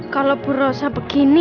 kalau ibu rosa begini